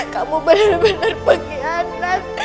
kamu benar benar pengkhianat